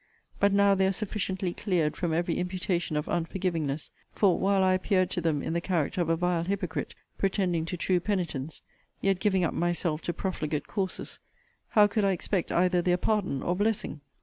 But now they are sufficiently cleared from every imputation of unforgivingness; for, while I appeared to them in the character of a vile hypocrite, pretending to true penitence, yet giving up myself to profligate courses, how could I expect either their pardon or blessing?